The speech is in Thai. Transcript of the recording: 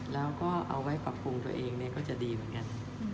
แล้วก็เอาไว้ปรับปรุงตัวเองก็จะดีเหมือนกัน